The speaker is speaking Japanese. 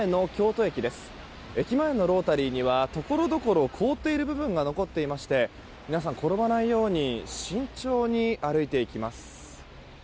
駅前のロータリーにはところどころ凍っている部分が残っていまして皆さん転ばないように慎重に歩いていきます。